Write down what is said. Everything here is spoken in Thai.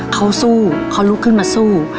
เขาสู้เขาลุกขึ้นมาสู้